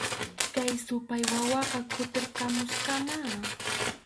Kay supay wawaqa kutirqamusqamá